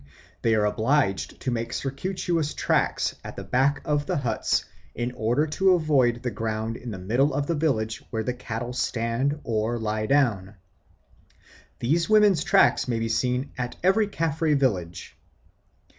They are obliged to make circuitous tracks at the back of the huts in order to avoid the ground in the middle of the village where the cattle stand or lie down. These women's tracks may be seen at every Caffre village.